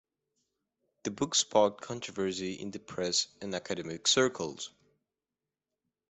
The book sparked controversy in the press and academic circles.